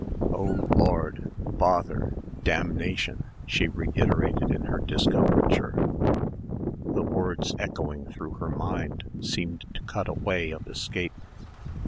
"Oh, Lord, bother, damnation," she reiterated in her discomfiture. The words echoing through her mind seemed to cut a way of escape....